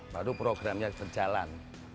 baru programnya terjalan